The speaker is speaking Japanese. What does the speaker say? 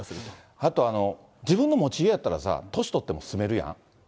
あと、自分の持ち家やったらさ、年取っても住めるやん。